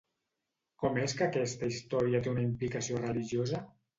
Com és que aquesta història té una implicació religiosa?